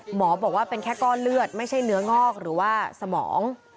หมอบอกว่าเป็นแค่ก้อนเลือดไม่ใช่เนื้องอกหรือว่าสมอง